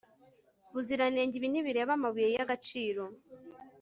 buziranenge ibi ntibireba amabuye y agaciro